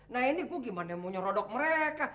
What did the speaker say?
nah ini gue gimana mau nyerodok mereka